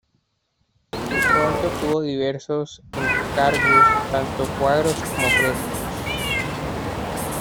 Pronto tuvo diversos encargos, tanto cuadros como frescos.